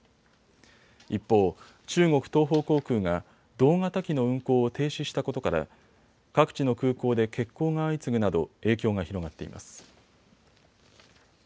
一方、中国東方航空が同型機の運航を停止したことから各地の空港で欠航が相次ぐなど影響が広がっています。